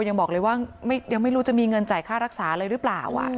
ยังบอกเลยว่ายังไม่รู้จะมีเงินจ่ายค่ารักษาเลยหรือเปล่า